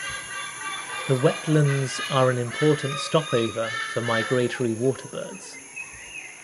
The wetlands are an important stopover for migratory waterbirds.